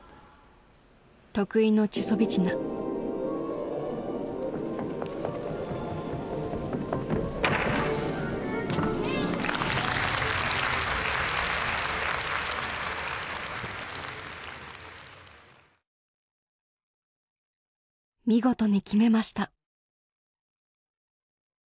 得意の見事に決めました。